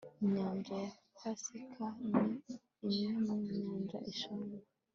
inyanja ya pasifika ni imwe mu nyanja eshanu